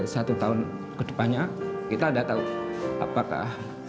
satu tahun ke depannya kita tidak tahu apakah